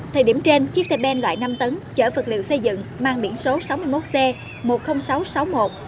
thời điểm trên chiếc xe ben loại năm tấn chở vật liệu xây dựng mang biển số sáu mươi một c một mươi nghìn sáu trăm sáu mươi một